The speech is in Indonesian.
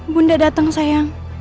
bunda dateng sayang